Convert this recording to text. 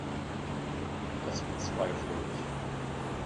Das bezweifle ich.